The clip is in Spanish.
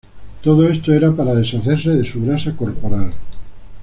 Todo esto era para deshacerse de su grasa corporal.